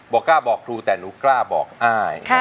กล้าบอกครูแต่หนูกล้าบอกอ้าย